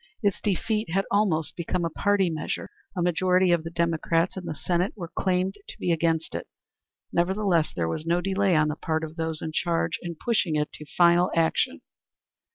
Its defeat had almost become a party measure. A majority of the Democrats in the Senate were claimed to be against it. Nevertheless there was no delay on the part of those in charge in pushing it to final action.